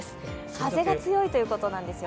風が強いということなんですよ。